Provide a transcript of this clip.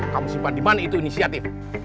kamu simpan dimana itu inisiatif